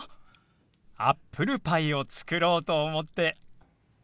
アップルパイを作ろうと思って。